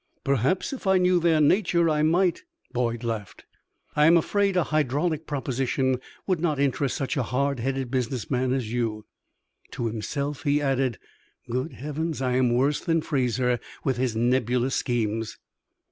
"Perhaps if I knew their nature I might " Boyd laughed. "I am afraid a hydraulic proposition would not interest such a hard headed business man as you." To himself he added: "Good heavens! I am worse than Fraser with his nebulous schemes!"